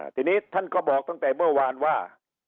ทีนี้ท่านก็บอกตั้งแต่เมื่อวานว่า